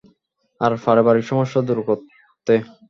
আর পারিবারিক সমস্যা দূর করতে।